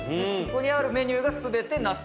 ここにあるメニューが。